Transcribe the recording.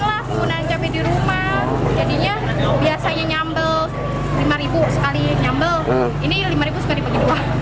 lah penggunaan cabai di rumah jadinya biasanya nyambel lima ribu sekali nyambel ini lima sekaligus